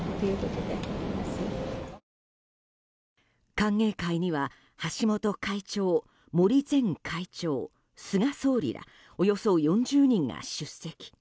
歓迎会には橋本会長、森前会長菅総理ら、およそ４０人が出席。